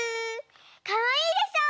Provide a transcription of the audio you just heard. かわいいでしょう？